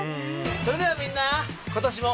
それではみんな。